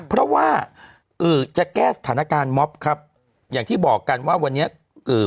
เพราะว่าเอ่อจะแก้สถานการณ์ม็อบครับอย่างที่บอกกันว่าวันนี้เอ่อ